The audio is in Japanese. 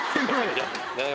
いや。